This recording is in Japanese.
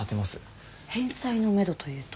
返済のめどというと？